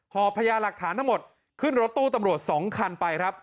พญาหลักฐานทั้งหมดขึ้นรถตู้ตำรวจ๒คันไปครับ